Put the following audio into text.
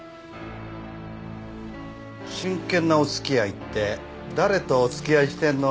真剣なお付き合いって誰とお付き合いしてんの？